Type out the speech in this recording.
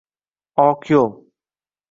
Oq yo’l!